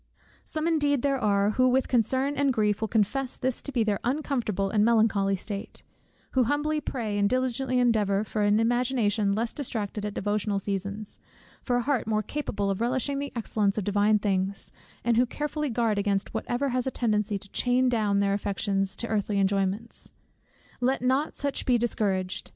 Some indeed there are who with concern and grief will confess this to be their uncomfortable and melancholy state; who humbly pray, and diligently endeavour, for an imagination less distracted at devotional seasons, for a heart more capable of relishing the excellence of divine things; and who carefully guard against whatever has a tendency to chain down their affections to earthly enjoyments. Let not such be discouraged.